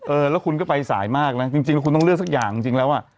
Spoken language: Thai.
เออแล้วคุณก็ไปสายมากนะจริงแล้วคุณต้องเลือกสักอย่างจริงแล้วอ่ะ